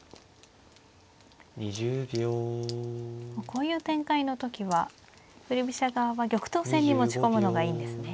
こういう展開の時は振り飛車側は玉頭戦に持ち込むのがいいんですね。